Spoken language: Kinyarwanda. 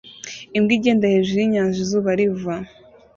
Imbwa igenda hejuru yinyanja izuba riva